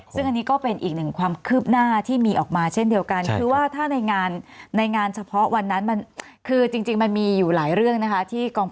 ที่บนตรวจตรีธารินยิงผู้อื่น